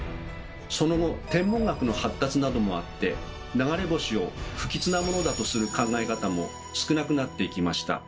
その後天文学の発達などもあって流れ星を不吉なものだとする考え方も少なくなっていきました。